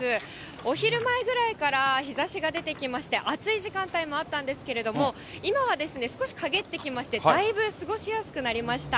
お昼前ぐらいから日ざしが出てきまして、暑い時間帯もあったんですけれども、今はですね、少しかげってきまして、だいぶ過ごしやすくなりました。